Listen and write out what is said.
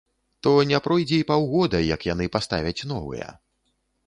То не пройдзе і паўгода, як яны паставяць новыя.